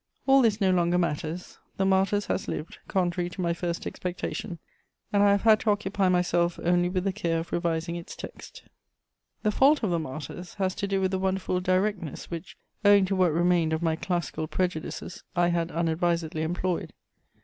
All this no longer matters. The Martyrs has lived, contrary to my first expectation, and I have had to occupy myself only with the care of revising its text. The fault of the Martyrs has to do with the wonderful "directness" which, owing to what remained of my classical prejudices, I had unadvisedly employed.